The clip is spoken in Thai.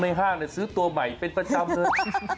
ห้างซื้อตัวใหม่เป็นประจำเลย